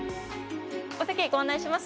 お席へご案内します。